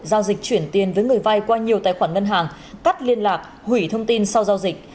giao dịch chuyển tiền với người vay qua nhiều tài khoản ngân hàng cắt liên lạc hủy thông tin sau giao dịch